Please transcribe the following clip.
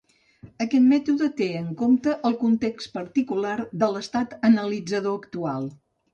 Aquest mètode té en compte el context particular de l'estat analitzador actual.